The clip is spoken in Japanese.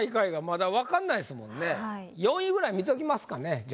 ４位ぐらい見ときますかねじゃ。